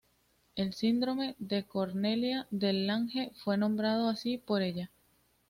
El Síndrome de Cornelia de Lange fue nombrado así por ella.